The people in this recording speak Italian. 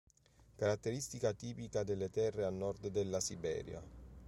Caratteristica tipica delle terre a nord della Siberia.